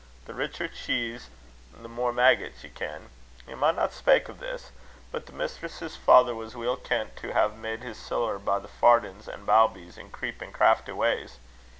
The richer cheese the mair maggots, ye ken. Ye maunna speyk o' this; but the mistress's father was weel kent to hae made his siller by fardins and bawbees, in creepin', crafty ways.